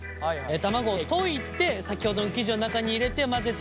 卵を溶いて先ほどの生地の中に入れて混ぜていきます。